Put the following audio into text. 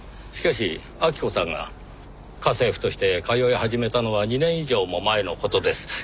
しかし晃子さんが家政婦として通い始めたのは２年以上も前の事です。